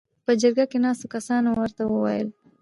.په جرګه کې ناستو کسانو ورته ووېل: